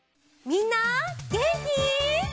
みんなげんき？